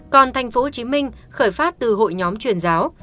còn tp hcm khởi phát từ hội nhóm truyền giáo